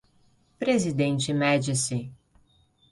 Presidente Médici